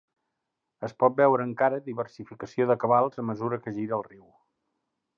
Es pot veure encara diversificació de cabals a mesura que gira el riu.